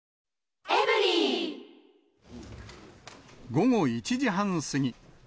午後１時半過ぎ。